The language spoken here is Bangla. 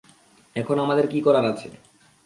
এখানে আমাদের কি করার আছে?